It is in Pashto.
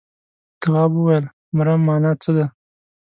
تواب وويل: مرم مانا څه ده.